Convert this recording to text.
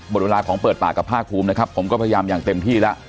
หมดเวลาของเปิดปากกับภาคภูมินะครับผมก็พยายามอย่างเต็มที่แล้ว